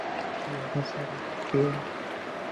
কি হবে স্যার এসব দিয়ে?